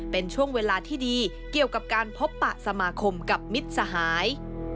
เป็นช่วงเวลาที่ดีเกี่ยวกับการพบปะสมาคมกับมิตรสหาย